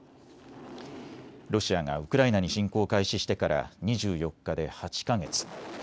ロシアがウクライナに侵攻を開始してから２４日で８か月。